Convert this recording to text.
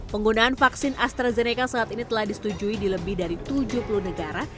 penggunaan vaksin astrazeneca saat ini telah disetujui di lebih dari tujuh puluh negara